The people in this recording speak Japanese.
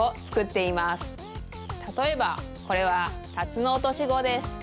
たとえばこれはタツノオトシゴです。